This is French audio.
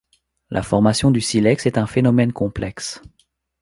La formation du silex est un phénomène complexe.